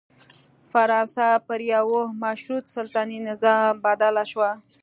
فرانسه پر یوه مشروط سلطنتي نظام بدله شوه.